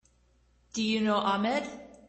Do you know Ahmed?